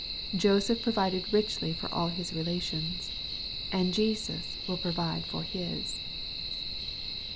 Joseph provided richly for aU his rela* tions, and Jesus will provide for His.